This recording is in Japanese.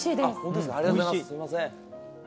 すいません。